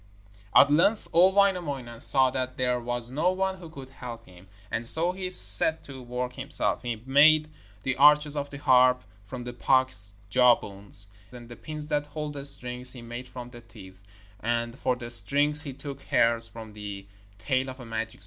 At length old Wainamoinen saw that there was no one who could help him, and so he set to work himself. He made the arches of the harp from the pike's jawbones, and the pins that hold the strings he made from the teeth, and for the strings he took hairs from the tail of a magic steed.